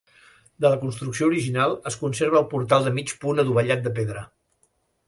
De la construcció original es conserva el portal de mig punt adovellat de pedra.